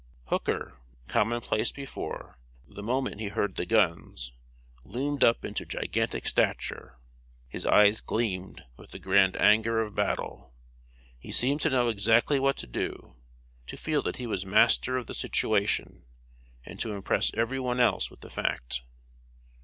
Hooker common place before the moment he heard the guns, loomed up into gigantic stature. His eye gleamed with the grand anger of battle. He seemed to know exactly what to do, to feel that he was master of the situation, and to impress every one else with the fact.